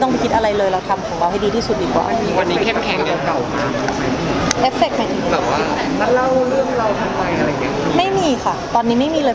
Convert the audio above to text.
แต่เรามาแค่เล่าประสบการณ์แชร์ให้ฟังเฉย